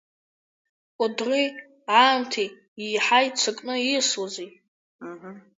Кәыдри Аамҭеи еиҳа иццакны ииасуазеи?